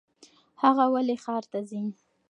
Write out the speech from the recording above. هغه ولې ښار ته ځي ؟